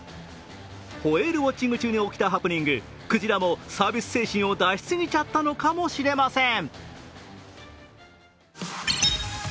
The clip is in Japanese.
ホエールウオッチング中に起きたハプニング、クジラもサービス精神を出し過ぎちゃったのかもしれません。